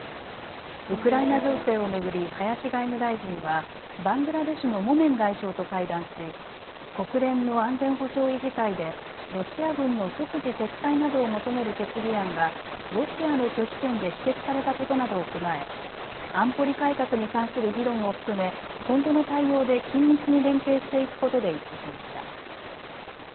ウクライナ情勢を巡り林外務大臣はバングラデシュのモメン外相と会談し国連の安全保障理事会でロシア軍の即時撤退などを求める決議案がロシアの拒否権で否決されたことなどを踏まえ安保理改革に関する議論を含め今後の対応で緊密に連携していくことで一致しました。